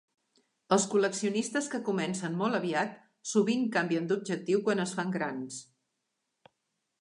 Els col·leccionistes que comencen molt aviat sovint canvien d'objectiu quan es fan grans.